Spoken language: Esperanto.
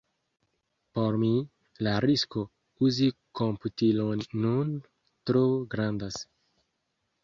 Por mi, la risko uzi komputilon nun tro grandas.